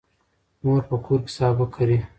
مور په کور کې سابه کري.